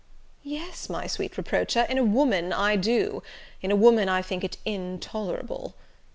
"Yes, my sweet reproacher, in a woman I do; in a woman I think it intolerable.